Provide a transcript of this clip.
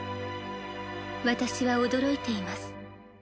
私は驚いています